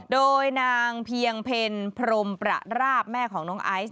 โดยนางเพียงเพลพรมประราบแม่ของน้องไอซ์